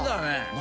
何？